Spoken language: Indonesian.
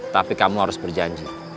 tapi kamu harus berjanji